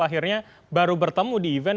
akhirnya baru bertemu di event